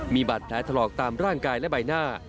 มีบาดแผลถลอกตามร่างกายและใบหน้า